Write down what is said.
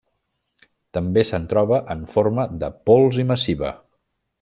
També se'n troba en forma de pols i massiva.